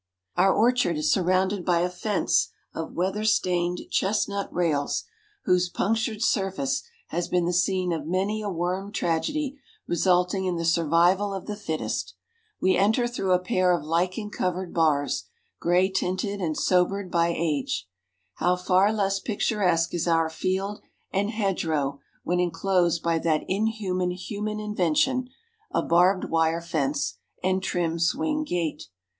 Our orchard is surrounded by a fence of weather stained chestnut rails, whose punctured surface has been the scene of many a worm tragedy resulting in the survival of the fittest. We enter through a pair of lichen covered bars, grey tinted and sobered by age. How far less picturesque is our field and hedgerow when inclosed by that inhuman human invention, a barbed wire fence, and trim swing gate.